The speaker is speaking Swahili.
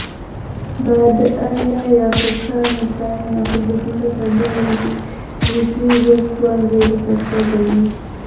Badala ya kukaa mitaani na kujifunza tabia zisizokuwa nzuri katika jamii